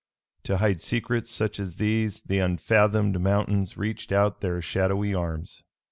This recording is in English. To hide secrets such as these the unfathomed mountains reached out their shadowy arms.